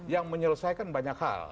yang menyelesaikan banyak hal